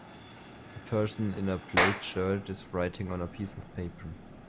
A person in a plaid shirt is writing on a piece of paper.